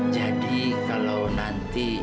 jadi kalau nanti